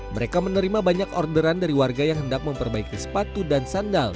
mereka menerima banyak orderan dari warga yang hendak memperbaiki sepatu dan sandal